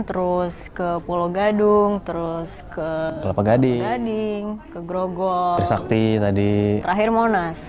terus ke pulau gadung ke lepagading ke grogol ke tersakti ke monas